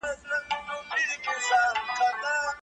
مادي ژبه د پوهې په رسولو کې خنډونه نه راوړي.